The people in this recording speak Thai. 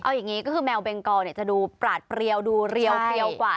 เอาอย่างนี้ก็คือแมวเบงกอจะดูปลาดเปรียวดูเรียวกว่า